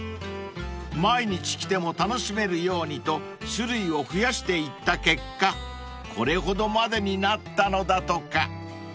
［毎日来ても楽しめるようにと種類を増やしていった結果これほどまでになったのだとか］